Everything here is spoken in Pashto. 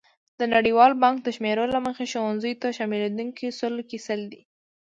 د نړیوال بانک د شمېرو له مخې ښوونځیو ته شاملېدونکي سلو کې سل دي.